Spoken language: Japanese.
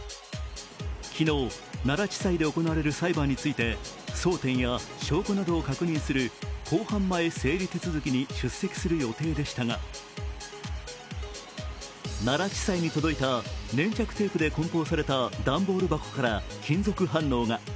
昨日、奈良地裁で行われる裁判について争点や証拠などを確認する公判前整理手続に出席する予定でしたが奈良地裁に届いた粘着テープでこん包された段ボール箱から金属反応が。